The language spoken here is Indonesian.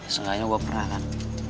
seenggaknya gue pernah kan